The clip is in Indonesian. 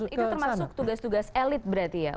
itu termasuk tugas tugas elit berarti ya